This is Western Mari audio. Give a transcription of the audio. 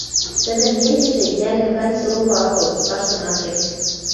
Тӹдӹн эргӹжӹ йӓлӹн гань здорова агыл, каштын ак керд